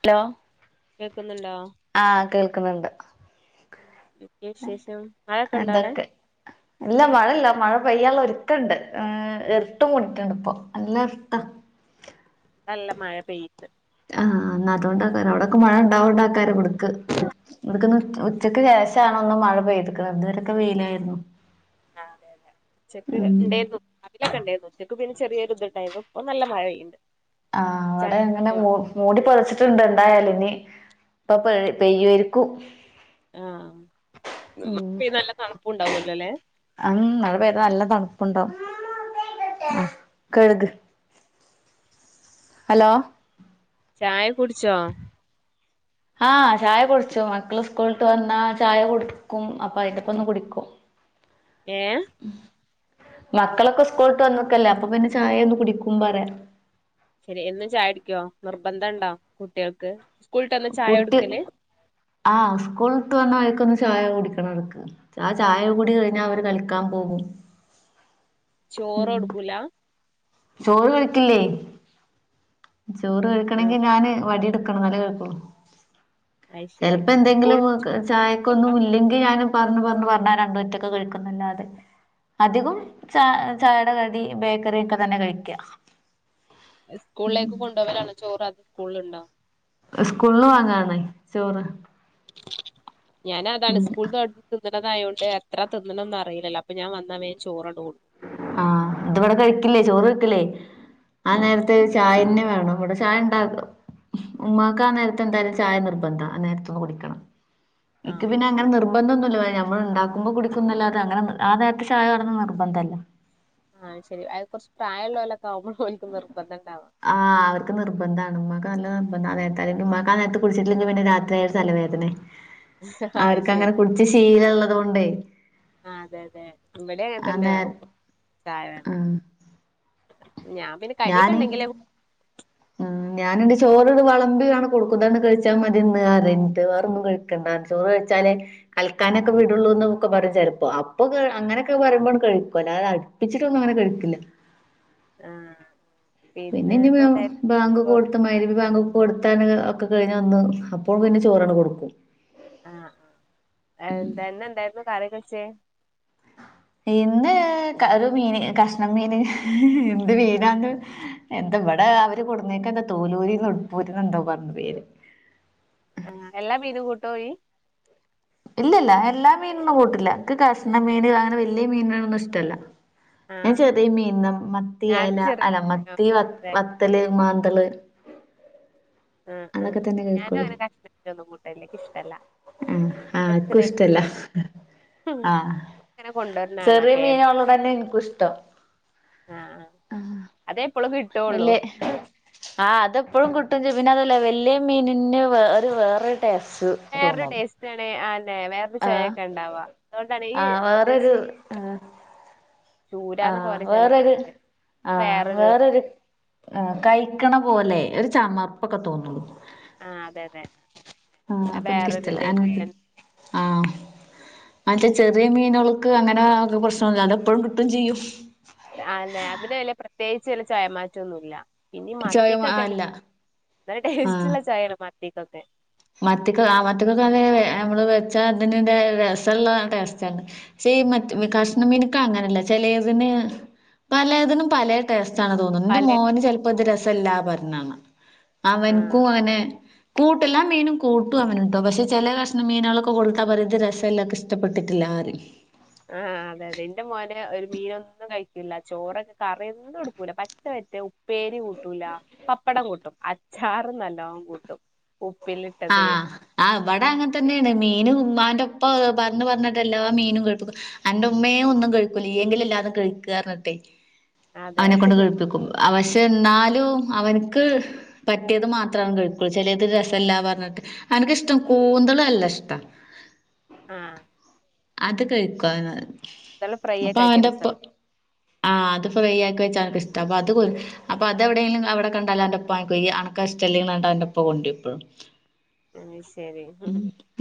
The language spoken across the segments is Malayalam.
ഹലോ കേക്ക്ന്നുണ്ടോ ആഹ് കേൾക്ക്ന്ന്ണ്ട് ന്തെക്കെ വിശേഷം മഴൊക്കെണ്ടവ്ടെ എന്തൊക്കെ ഇല്ല മഴല്ല മഴ പെയ്യാള്ള ഒരുക്കണ്ട് ഇർട്ട് മൂടീട്ട്ട്ടാണ് പ്പൊ നല്ല ഇർട്ടാ നല്ല മഴ പെയ്ത് ആഹ് ന്നാ അതോണ്ടാക്കാര ഔട്ക്കെ മഴ ഇണ്ടാവോണ്ടാക്കാരവ്ട്ക്ക് ഇവട്ക്ക്ന്ന് ഉച്ചക്ക് ശേഷ ഷാണൊന്ന് മഴ പെയ്ത്ക്ക്ണ് ഇത്‌ വരെക്കെ വെയിലായിര്ന്നു ആഹ് അതെ അതെ ഉച്ചക്ക് ണ്ടേര്ന്നു രാവിലൊക്കെണ്ടേര്ന്നു ഉച്ചക്ക് പിന്നെ ചെറ്യേരു ഇത്ണ്ടേര്ന്നു ഇപ്പം നല്ല മഴ പെയ്യ്ണ്ട് ആഹാ അവ്ടെ എങ്ങനെ മൂ മൂടി പൊതച്ച്ട്ട്ണ്ട്ന്തായാലുനി ഇപ്പൊ പെയ്യുവായിര്ക്കു ആഹ് [inaudible] മഴ പെയ്ത തണുപ്പൂണ്ടാവൊല്ലൊ ലെ ആഹ്മം മഴ പെയ്താ നല്ല തണുപ്പുണ്ടാവും [unintelligible] കഴുക് ഹലോ ചായ കുടിച്ചോ ആഹ് ചായ കുടിച്ചു മക്കള് സ്കൂളിട്ട് വന്നാ ചായ കൊടു ക്കും അപ്പൊ അതിന്റെപ്പൊങ്ങും കുടിക്കും ഏ മക്കളൊക്കെ സ്കൂളിട്ട് വന്നൊക്കല്ലേ അപ്പൊ പിന്നെ ചായ ഒന്ന് കുടിക്കുംമ്പറയാം ശരി എന്നും ചായടിക്കുവോ നിർബന്ധം ഉണ്ടോ കുട്ടികൾക്ക് സ്കൂൾ വിട്ട് വന്നാ ചായ കുട്ടി കൊടുക്കല് ആഹ സ്കൂളട്ട് വന്നാ അവക്കൊന്ന് ചായ കുടിക്കണം അവക്ക് ആഹ് ചായ കുടി കഴിഞ്ഞാ അവര് കളിക്കാൻ പോകും ചോറ് ഉം കോടുക്കൂല്ലാ ചോറ് കഴിക്കില്ലേ ചോറ് കഴിക്കണെങ്കി ആഹ് ഞാന് വടിയെടുക്കണം എന്നാലെ കഴിക്കു അത് ശരി ചിലപ്പോ സ്കൂൾ എന്തെങ്കിലുംമൊക്കെ ചായക്കൊന്നും ഇല്ലെങ്കി ഞാനും പറഞ്ഞ് പറഞ്ഞ് പറഞ്ഞ് രണ്ട് വറ്റൊക്കെ കഴിക്കുന്നല്ലാതെ അധികം ച ചായേടെ കടി ബേക്കറി ഒക്കെ തന്നെയാ കഴിക്കാ സ്കൂളിലേക്ക് കൊണ്ടുപോവാനാണ് ചോറ് അത് സ്കൂളിലുണ്ടാ സ്കൂളുന്നു വാങ്ങാണ് ചോറ് ഞാനാ ഉം അതാണ് സ്കൂളന്ന് തിന്നണതായോണ്ട് എത്ര തിന്നണന്ന് അറിയില്ലല്ലോ അപ്പ ഞാൻ വന്നാ വേം ചോറ് അങ്ങോട്ട് കോടുക്കും ആഹ് ഇത് ഇവിടെ കഴിക്കില്ലേ ചോറ് വെക്കില്ലേ ആഹ് ഉം നേരത്തെ ചായന്നെ വേണം ഇവിടെ ചായ ഉണ്ടാക്കു ഉം ഉമ്മാക്ക് ആഹ് നേരത്തെന്തായാലും ചായ നിർബന്ധാ നേരത്തൊന്ന് കുടിക്കണം എനിക്കു ആഹ് പിന്നെങ്ങനെ നിർ നിർബന്ധം ഒന്നുല്ല നമ്മൾ ഉണ്ടാക്കുമ്പോ കുടിക്കുന്നല്ലാതെ അങ്ങനെ ആഹ് നേരത്തെ ചായ വേണം എന്ന് നിർബന്ധല്ലാ ആഹ് ശരി അത് കുറച്ച് പ്രായമുള്ളോരിലൊക്കെ ആവുമ്പോ ഓനിക്ക് നിർബന്ധം ഉണ്ടാവാ ആഹ് അവർക്ക് നിർബന്ധാണ് ഉമ്മാക്ക് നല്ല നിർബന്ധാ ആഹ് നേരത്ത ഉമ്മാക്ക് ആന് നേരത്ത് കുടിച്ചിട്ടില്ലെങ്കിൽ പിന്നെ രാത്രിയ ഒരു തലവേദനയ അത് അവർക്ക്ങ്ങനെ ശരി കുടിച്ച് ശീലം ഉള്ളത് കൊണ്ടേ ആഹ് അതെ അതെ ഇവിടേ അങ്ങനെ ആ തന്നെ നേര ഉപ്പം ചായ വേണം ആഹ് ഞാൻ പിന്നെ കടിക്കെ ഞാന് ഉണ്ടെങ്കിലും ഉം ഞാനെന്റെ ചോറ് വെളമ്പിയാണ് കൊടുക്കുന്നതന്ന് കഴിച്ചാൽ മതിയന്ന് അതി വേറൊന്നും കഴ ക്കണ്ടാ ചോറ് വെച്ചാല് കൽക്കാനൊക്കെ വിടുള്ളൂന്ന് ഒക്കെ പറെം ചിലപ്പോ അപ്പൊ അങ്ങനെയൊക്കെ പറയുമ്പോ കഴിക്കുവല്ലാതെ പ്പിച്ചിട്ടൊന്നും അങ്ങനെ കഴിക്കില്ല ആഹ് പിന്നെ പിന്നെനി വേ ഇന്നെന്തായിരുന്നു ബാങ്കൊക്കെ കൊടുത്ത മൈരിവി ബാങ്കൊക്കെ കൊടുത്താ ഒക്കെ കഴിഞ്ഞ ഒന്ന് അപ്പോഴും പിന്നെ ചോറാണ് കൊടുക്കും ആഹ് ആഹ് എന്തന്നെ എന്തായിരുന്നു കറിയൊക്കെച്ചേ ഇന്ന് ഒരു മീന് കഷ്ണം മീന് എന്ത് മീനാന്ന് എന്താ ഇവിടെ അവര് കൊടുന്നേക്ക എന്താ തോലൂരിന്ന് ഉടുപ്പൂരിന്ന് എന്തോ പറഞ്ഞ് പേര് ആഹ് എല്ലാ മീനും കൂട്ടോയി ഇല്ല ഇല്ല എല്ലാ മീനൊന്നും കൂട്ടില്ല നിക്ക് കഷ്ണം മീന് അങ്ങനെ വലിയ മീനുകളൊന്നും ഇഷ്ടല്ല ഞാൻ ആഹ് ചെറിയ മീന് മത്തിയ ഞാന് അയല ചെറിയ അല്ലാ മീനോ മത്തി വ അതെ വത്തല് മാന്തള് ആഹ് ആഹ് അതൊക്കെ തന്നെ ഞാനും കഴിക്കുള്ളൂ അങ്ങനെ കഷ്ണം മിനോന്നും കൂട്ടലില്ല ഇഷ്ടമല്ല ആഹ് ആഹ് ആക്കും ഇഷ്ടല്ല ആഹ് അങ്ങനെ കൊണ്ടുവരണാണാ ചെറിയ കേദ് മീനള്ളു ന്നെ എനിക്കും ഇഷ്ടം ആഹ് അതേ എപ്പോളും കിട്ടുവുള്ളൂ അഹ് ആഹ് അതെപ്പോഴും കിട്ടും പിന്നെ അതല്ലേ വലിയ മീനിന് വേ ഒരു വേറൊരു ടേസ്റ്റ് വേറൊരു തോന്നും ടേസ്റ്റ് ആണ്‌ അല്ലെ വേറെ ആ ചൊവെക്കെ ഉണ്ടാവാ അതുകൊണ്ടാണ് ഈ ആ മറ്റേ വേറൊരു [unintelligible] ആ ചൂരാന്നൊക്കെ ആഹ് പറയും ചെലര് വേറരു ആഹ് വേറൊരു വേറരു ആഹ് കൈ കാണ പോലെ ഒരു ചമർപ്പൊക്കെ തോന്നളു ആഹ് അതെ അതെ ആഹ് അപ്പൊ എനിക്ക് വേറൊരു ഇഷ്ടല്ല അ ടേസ്റ്റ് ആഹ് മറ്റേ ചെറിയ മീനുകൾക്ക് അങ്ങനെ ഒക്കെ പ്രശ്നല്ല അതെപ്പോഴും കിട്ടം ചെയ്യും അതെ അതിന് വല്ല പ്രത്യേകിച്ച് വല്ല ചായമാറ്റം ഒന്നുമില്ല പിന്നെ ചോയ മത്തിക്കൊക്കെ അല്ല ന ടേസ്റ്റ്ള്ള ചായല്ല മത്തിക്കൊക്കെ മത്തിക്ക മത്തിക്കൊക്ക നമ്മള് വെച്ചാ അതിറെ രസമുള്ള ടസ്റ്റാണ് ശ മറ്റ കഷ്ണ മീനക്കൾ അങ്ങനെയല്ല ചെലതിന് പലതിനും പല ടേസ്റ്റ ആണ് തോന്നു ഇന്റെ പല മോന് ചെൽപ്പോ ഇത് രസം ഇല്ലാ പറഞ്ഞാ ണ ആഹ് അവൻക്കും ങ്ങനെ കൂട്ടല്ലാം മീനും കൂട്ടും അവനു ട്ടോ പക്ഷെ ചെലെ കഷ്ണം മീനോളൊക്കെ കൊടുത്താ പറിം ഇത് രസം ല്ലാ ഇൻക്ക് ഇഷ്ടപെട്ടിട്ടില്ലാ റിം ആഹ് അതെ അതെ ഇന്റെ മോന്റെ ഒരു മീനൊന്നും കഴിക്കൂല്ല ചോറൊക്കെ കറിയൊന്നും ടുക്കൂല പറ്റ പറ്റേ ഉ ഉപേരി കൂട്ടൂല പപ്പടം കൂട്ടും അച്ചാറ് നല്ലോം കൂട്ടും ഉപ്പിലി ആഹ് ആഹ് ഇവിടെ അങ്ങന് തന്നെയാണ് മീന് ഇമ്മാന്റെ ഒപ്പ പറ്ഞ്ഞ് പറ്ഞ്ഞ് ട്ടല്ലാം മീനും കയ്പ്പിക്കും അന്റെ ഉമ്മേ ഒന്നും കഴിക്കൂല്ല ഇയ്യ ങ്കിലും എല്ലാതും കഴിക്ക് റ്ഞ്ഞ്ട്ട് അതെ അവനെ കൊണ്ട് കഴിപ്പിക്കും അപക്ഷെ ന്നാലും അവന്ക്ക് പറ്റിയത് മാത്രാണ് കഴിക്കുള്ളൂ ചെലെത് രസല്ലാ പറഞ്ഞിട്ട് അവന്ക്ക് ഇഷ്ടം കൂന്തള് അല്ല ഇഷ്ടം ആ ഹ് അത് കഴിക്കുവൻ നല്ല ഫ്രൈ അപ്പ ഒക്കെ ആക്കിയ അവന്റെ പ്പ രസണ്ട് ആഹ് അത് ഫ്രൈ ആക്കി വെച്ചാലൊക്കെ ഇഷ്ടം അപ്പംഅത് അപ്പൊ അതെവിടെലും അവിടെ കണ്ടാ അവന്റെപ്പ വാങ്ങിക്ക് ഇയ്യ് അൻ കഹ് ഇഷ്ടല്ലേ ന്ന റ്ഞ്ഞ്ട്ട് അവന്റെ ഇപ്പ കൊണ്ടരും എപ്പഴും അത് ശരി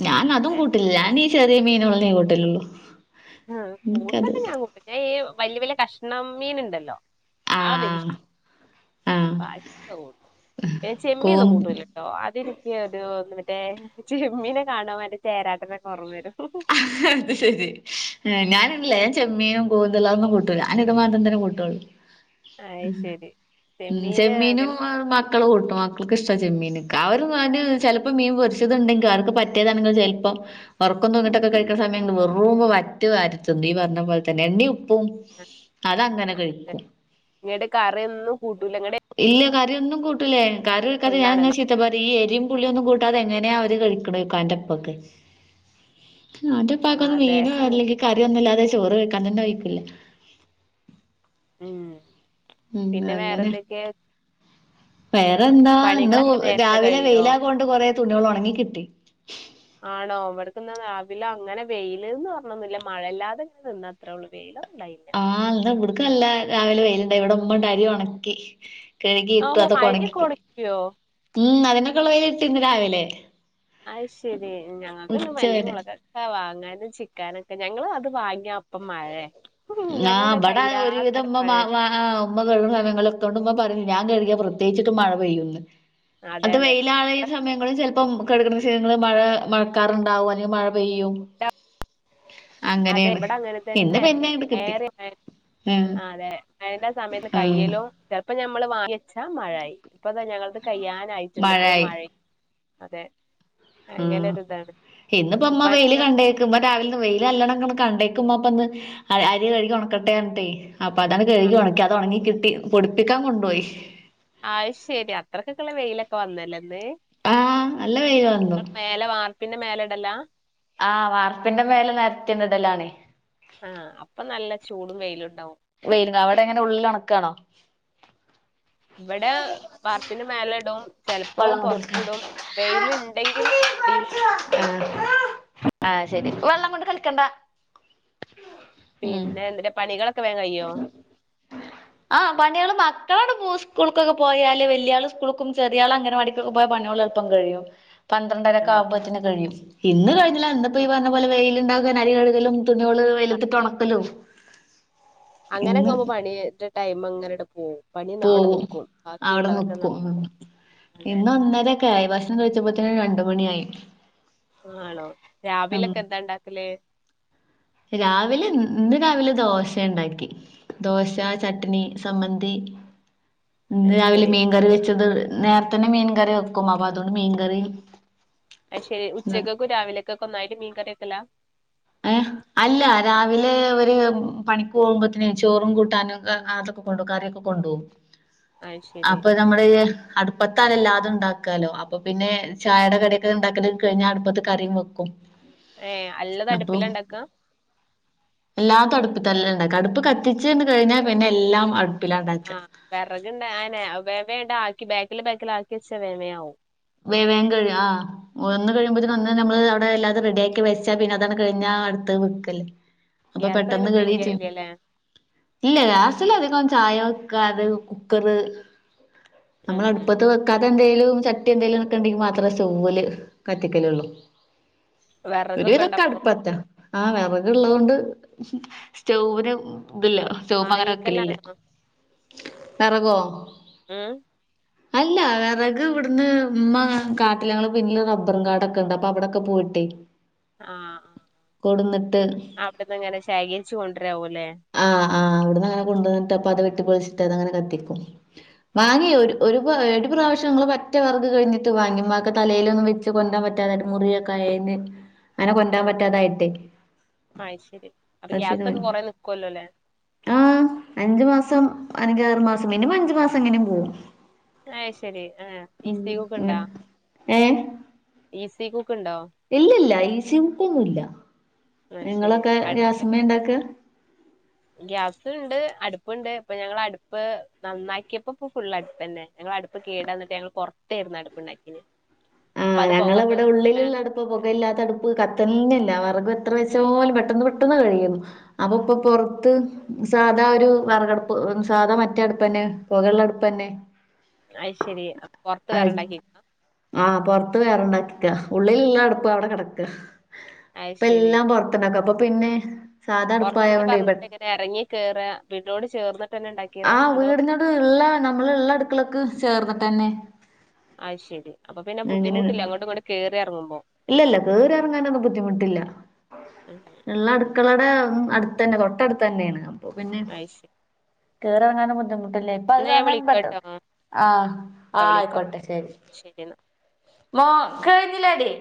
ഞാൻ അതും കൂട്ടില്ല ഞാൻ ഈ ചെറിയ മീനെള്ള ന്നെകൂട്ടലെള്ളു ഉം കൂന്തൊക്കെ ഞാൻ കൂട്ടിച്ച ഈ വല്യയ വല്യയ കഷ്ണം മീൻ ഇണ്ടല്ലോ ആ ഒന്നും ഇൻക്കിഷ് ആഹ് ആഹ് പ കൂട്ടും പിന്നെ ചെമ്മിയൊന്നും കൂന്തൽ കൂട്ടൂല്ല അതെനിക്ക് ഒരു മറ്റേ ചെമ്മീനെ കാണാൻ മറ്റെ ചേരാട്ട നൊകൊർമ വരും അത് ശരി ഞാനില്ലേ ൻ ചെമ്മീനും കൂന്തള് അതൊന്നും കൂട്ടൂല അനി ഇത് മാത്രം തന്നെ കൂട്ടൊള്ളൂ അത് ശരി ചെമ്മീന് ചെമ്മീനും അങ്ങനെ മ ക്കൾ കൂട്ടും മക്കൾക്ക് ഇഷ്ടാ ചെമ്മീന് അവർ [unintelligible] ചിലപ്പോം മീൻ പൊരിച്ചത് ഉണ്ടെങ്കിൽ അവർക്ക് പറ്റിയതാണെങ്കിൽ ചിലപ്പോം ഉറക്കൊന്നും തൂങ്ങിട്ടൊക്കെ കഴിക്ക്ണ സമയ വെറും വറ്റു വരിത്തിന്ന് ഈ പറഞ്ഞ പോലെ തന്നെ എണ്ണീ ഉപ്പും അതങ്ങനെ ആ അതെ കഴിക്കും നിങ്ങട്ട് കറി ഒന്നും കൂട്ടൂലങ്ങട്ട് ഇല്ല കറിയൊന്നും കൂട്ടൂല്ലെ കറിയ്ട്ക്കാതെ ഞാൻങ്ങനെ ചീ ത്ത പറീം ഈ എരി പുള്ളിയൊന്നും കൂട്ടാതെങ്ങനെയാ അവര് കഴിക്ക്ണോയ്ക്കും ന്റെ പ്പൊക്കെ ഓന്റെ പ്പാ ആ കൊന്നും അതെ മീനോ അല്ലെങ്കി കറിയൊന്നും ഇല്ലാതെ ചോറ് കയിക്കാൻന് തന്നെ വഴ്ക്കില്ല ഉം ഉം പിന്നെ അങ്ങനെ വേറെന്തൊക്കെയ വേറെന്താ ഇന്ന് നേരത്തെ രാവിലെ കഴിയോ വെയിലാ കൊണ്ട് കൊറെ തുണികൾ ഒണങ്ങി കിട്ടി ഉ [inaudible] ആണോ ഇവട്ക്ക്ന്നാ രാവിലെ അങ്ങനെ വെയ്ൽ ന്ന് പറ്ഞ്ഞൊന്നില്ല മഴയില്ലാതെങ്ങനെ നിന്ന അത്രേ ള്ളൂ വെയിലന്നും ണ്ടായില്ല ആഹ് ന്ന് ഇവിട്ക്ക്ല്ല രാവിലെ വെയിലുണ്ടായി ഇവിടെ ഇമ്മ ണ്ട് അരി ഒണക്കി കഴുകി ഓ ഇട്ടു അതൊക്കെ അരിയൊക്കെ ഒണങ്ങിക്കിട്ടി ഒണക്കിയോ ഉം അതിനൊക്കെള്ള വെയ്ല് കിട്ടി ഇന്ന് രാവിലെ അഹ് ശരി ഞങ്ങക്ക്ണ്ട് മല്ലി ഉച്ചവരെ മുളക് ഒക്കെ വാങ്ങാനും ചിക്കാ നൊക്കെ ഞങ്ങള് അത് വാങ്ങിയ അപ്പം മഴയെ ഉം ഞങ്ങൾത് അഹ് ഇവിടെ കയ്യാ ഒരുവിധം നേരം ഉമ്മ മാ മഴെയ്താ മാ ആഹ് ഉമ്മ [unintelligible] തൊണ്ട് ഉമ്മ പറഞ്ഞു ഞാൻ കഴിയാ പ്രത്യേകിച്ചിട്ട് മഴ പെയ്യന്ന് അതെ അത് അതെ വെയിലായി ഇവിടെ സമയങ്ങളിൽ ചെൽപ്പം [unintelligible] മഴ മഴക്കാറുണ്ടാവും അല്ലെങ്കിൽ മഴ പെയ്യും അതെ അങ്ങനെയാണ് ഇവിടെ അങ്ങനെ ഇന്ന് തന്നെ പിന്നെ അങ്ങട് കിട്ടി ഏറെ ആഹ് ആ അതെ മഴന്റെ സമയത്ത് ആഹ് കയ്യലും ഇപ്പം ഞമ്മള് വാങ്ങി വച്ചാ മഴായി ഇപ്പ താ ഞങ്ങള്ത് കയ്യാനായിട്ടുണ്ട് ഇപ്പത് മഴയായി മഴിം അതെ അങ്ങനെ ഉം ഒരു ഇതാണ് ഇന്നിപ്പം മ്മ വെയില് പണികൾ കണ്ടേ ക്ക്മ്മ രാവിലെന്ന് വെയില് നല്ലോണംങ്ങ കണ്ടേക്കുമ്പ അപ്പൊ ഒന്ന് അരി കഴുകി ഉണക്കട്ടെ റ്ഞ്ഞ്ട്ടേ അപ്പ അതാണ് ആ കഴുകി ഒണക്കി അത് ഒണങ്ങി കിട്ടി പൊടിപ്പികാൻ കൊണ്ടോയി അഹ് ശെരി അത്രക്കൊക്കെള്ള വെയിലൊക്കെ വന്നല്ലേ ഇന്ന് ആഹ് നല്ല വെയില് വന്നു ങ്ങല വാർപ്പിന്റെ മേലേ ഇടലാ ആഹ് വാർപ്പിന്റെ മേലെ നിരത്തിണ്ട് ടലാണ് ആ അപ്പൊ നല്ല ചൂടും വെയിലും ഉണ്ടാവും വരുന്ന അവിടെ എങ്ങനെ ഉള്ളിൽ ഉണക്കാ ണോ ഇവിടെ വാർപ്പിന്റെ മേലെ ഇടും ചിലപ്പോ വെള്ളം കൊണ്ട് കളിക്കാൻ പൊറത്തിടും വെയിൽ ഉണ്ടെങ്കിൽ [unintelligible] ആഹ ശെരി വെള്ളം കൊണ്ട് കളിക്കണ്ട ഉം പിന്നെ എ തിൻ്റെ പണികളൊക്കെ വേഗം കയ്യോ ആഹ് പണികള് മക്കളോട് സ്കൂൾക്കൊക്കെ പോയാല് വലിയാള് സ്കൂൾക്കും ചെറിയാള അംഗനവാടിക്കും പോയ പണികളെ ളുപ്പം കഴിയും ആ പന്ത്രണ്ടരക്കെ ആവുമ്പത്തേന് കഴിയും ഇന്ന് കഴിഞ്ഞില്ല ഇന്നിപ്പോ ഈ പറഞ്ഞ പോലെ വെയിലുണ്ടകാൻ അരി കഴുകലും തുണി ള് ആ, വെയിലത്തിട്ട് ഉണക്ക ലും അങ്ങനെക്കെ കുമ്പോ പണി ടൈം അങ്ങനെൊക്കെ പോകും പോകും അവിടെ ന- നിക്കും അതെ ഇന്ന് ഒന്നര യി ഭക്ഷണംകഴിച്ചപ്പോ തന്നെ രണ്ട് മണിയായി ആ ആണോ ഉം രാവിലൊക്കെ എന്താ ഉണ്ടാക്കല് രാവിലെ ഇന്ന് രാവിലെ ദോശ ഉണ്ടാക്കി ദോശ ചട്നി സംമ്മന്തി ഇന്ന് അത് രാവിലെ ശരി മീൻകറി വെച്ചത് നേരത്ത തന്നെ മീൻകറി വെക്കും അപ്പ അതുകൊണ്ട് മീൻകറി അയ് ശരി ഉച്ചക്കക്കെ രാവിലക്കൊക്കെ ഒന്നായിട്ട് മീൻ കറി വെക്കല ഏഹ് അല്ല രാവിലെ ഒരു പണിക്ക് പോകുമ്പോത്തനേ ചോറും കൂട്ടാനും ഒക്കെ അതൊക്കെ കൊണ്ടുപോകും കറിയൊക്കെ കൊണ്ടുപോകും അയ് ശരി നമ്മള് അടുപ്പത്താണ് എ ല്ലാത ണ്ടാക്കാലോ അപ്പൊ പിന്നെ ചായയുടെ കടിയൊക്കെ ണ്ടാക്കല് കഴിഞ്ഞാ അടുപ്പത്ത് കറിയും വെക്കും ഏ അല്ലത് അടുപ്പില ണ്ടാക്ക എല്ലാത്ത അടുപ്പിൽ തല്ലാം ഉണ്ടാക്ക അടുപ്പ് കത്തിച്ച് കഴിഞ്ഞാ പിന്നെ എല്ലാം അടുപ്പിലാണ്ടാക്ക ആഹ് വിറകുണ്ട ആനെ വേം വേം ണ്ട ആക്കി ബാക്കിൽ ബാക്കിൽ ആക്കി വച്ച വേമയാവും വേ വേഗം കഴിയും ഒന്ന് കഴിയുമ്പോത്തേ നം വന്ന് നമ്മള് അവിടെ എല്ലാതെ റെഡിയാക്കി വെച്ച പിന്നെ അതാണ് കഴിഞ്ഞാ അടുത്ത് വെക്കല് അപ്പൊ ഗ്യാസ് അങ്ങനെ പെട്ടന്ന് കഴിയും ചെയ്യും ഉപയോഗിക്കാറില്ലല്ലേ ഇല്ല ഗ്യാസില അധികം ചായ വെക്കാത കുക്കറ് നമ്മൾ ഉം ഉം അടുപ്പത്ത് വെക്കാതെ എന്തേലും ചട്ടി എന്തേലും ക്കണ്ടെങ്കിൽ മാത്രേ സ്റ്റൗവ്വല് കത്തിക്കലള്ളൂ വിറകൊക്കെ ഒരുവിതൊക്കെ ഉണ്ടപ്പൊ അടുപ്പത്താ ആഹ് വിറക് ഉള്ളത് കൊണ്ട് സ്റ്റൗവിന് ഇതില്ല സ്റ്റവ്വ് അങ്ങനെ വെക്കലില്ല വാങ്ങിക്കലാണോ വെറകോ ഉം അല്ല വിറക് ഇവിടു ഇന്ന് ഉമ്മ കാട്ടില ഞങ്ങള്പിന്നില് റബ്ബറും കാടൊക്കെ ഉണ്ട് അപ്പൊ അവിടെക്കെ പോയിട്ടേ ആ കൊടുന്നിട്ട് ആ അവിടന്ന് അങ്ങനെ ശേഖരിച്ച കൊണ്ടരാവൂല്ലേ ആ ആ അവിടുന്ന് അങ്ങനെ കൊണ്ടുവന്നിട്ട്പ്പ അത് വെട്ടി പൊളിച്ചിട്ട് അത് അങ്ങനെ കത്തിക്കും വാങ്ങിയ ഒരു ഇ ഒരു പ്രാവശ്യംങ്ങങ്ങള് പറ്റ വെറക് കഴിഞ്ഞട്ട് വാങ്ങി മ്മാക്ക്തലയിലൊന്നും വെച്ച് കൊണ്ടരാൻ പറ്റാത മുറിയെ കഴന്ന് അങ്ങനെ കൊണ്ടരാ ൻ ആഹ് പറ്റാതായിട്ടെ കൊല്ലൊല്ലേ ആഹ് അഞ്ച് മാസം അഞ്ചാറ് മാസം മിനിമം അഞ്ച് മാസം എങ്ങനെം പോവും അയ് ശെരി ആഹ് ഉം ഈസീ കുക്ക് ണ്ടാ ഉം ഏഹ് ഈസീ കുക്ക് ണ്ടോ ഇല്ല ല്ല ഈസീ കുക്ക്ന്നുംല്ല അത് ശരി നിങ്ങളൊക്കെ അടു ഗ്യാസിമ്മെ ണ്ടാക്കാ ഗ്യാസ്ണ്ട് അടപ്പ്ണ്ട് ഇപ്പൊ ഞങ്ങള് അട്പ്പ് നന്നാക്കിയപ്പം പ്പം ഫുള്ള് അട്പ്പ് തന്നെ ഞങ്ങള് അട്പ്പ് കേടാന്നിട്ട് ഞങ്ങള് പുറത്തെരുന്നു അടുപ്പ് ണ്ടാക്കിനി ആഹ് ഞങ്ങള് വടെ ഉള്ളില് ള്ള അട് ഇപ്പോ പൊകയില്ലാത്ത അടുപ്പ് കത്ത്ൺ ന്നില്ല വെറക് എത്ര വെച്ചാലും പെട്ടെന്ന് പെട്ടെന്ന് കഴിയുന്നു അപ്പോ ഇപ്പോ പൊറത്ത് സാധാ ഒരൂ വെറകടുപ്പ് സാധാ മറ്റേ അട്പ്പന്നെ പൊകള്ള അട്പ്പന്നെ അയ് ശെരി പൊർത്ത് വേറെണ്ടാക്കി [unintelligible] ആഹ് പൊർത്ത് വേറെണ്ടാക്കിക്കാ ഉള്ളിലിള്ള അട്പ്പ് അവടെ കെടക്കാ അത് ഇപ്പ ശെരി എല്ലാം പൊർത്ത്ണ്ടാക്കാ അപ്പോ പിന്നെ സാധാ പൊറത്ത്ന്ന് അട്പ്പായോണ്ടെ പെ പറഞ്ഞിട്ട് എങ്ങനെ എറങ്ങി കേറാ വീട്ടോട് ചേർന്നിട്ട്ന്നെണ്ടാക്കി ആഹ് വീടിനോട് ള്ളാ നമ്മള് ള്ള അട്ക്കളക്ക് ചേർന്നിട്ടന്നെ അയ്ശെരി അപ്പ പിന്നെ ബുദ്ധിമുട്ടില്ല അങ്ങോട്ടും ഇങ്ങോട്ടും കേറി എറങ്ങുമ്പോ ഇല്ല ല്ല കേറി എറങ്ങാനൊന്നും ബുദ്ധിമുട്ടില്ല [unintelligible] ക്കളെടെ അട്ത്തന്നെ തൊട്ടട്ത്തന്നെണ് അപ്പോ പിന്നെ അത് ശെരി കേറി എറങ്ങാന്നും ബുദ്ധിമുട്ടില്ലേ പ്പത് എന്നാ ഞാൻ കാര്ണം പെട്ടോ വിളിക്കാട്ടോ ആഹ് ആഹ് വിളിക്കാം ആയിക്കോട്ടെ ശെരി മോക്ക് [unintelligible] ഞ്ഞില്ല ഡീ